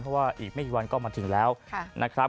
เพราะว่าอีกไม่ทีวันก็จึงหมดถึงแล้ว